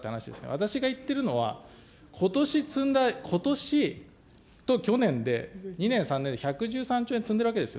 私が言ってるのは、ことし積んだ、ことしと去年で２年、３年で１１３兆円積んでるわけですよ。